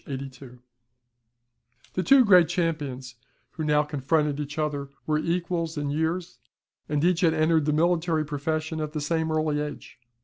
82.] The two great champions, who now confronted each other, were equals in years, and each had entered the military profession at the same early age.